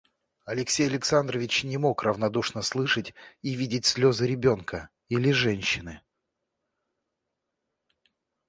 Алексей Александрович не мог равнодушно слышать и видеть слезы ребенка или женщины.